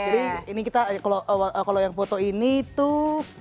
jadi ini kita kalau yang foto ini tuh